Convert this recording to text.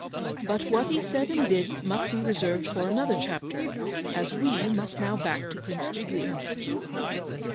But what he said and did must be reserved for another chapter, as we must now back to Prince Giglio.